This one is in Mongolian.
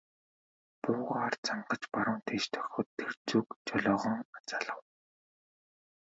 Буугаар зангаж баруун тийш дохиход тэр зүг жолоогоо залав.